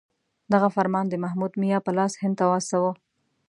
دغه فرمان د محمود میا په لاس هند ته واستاوه.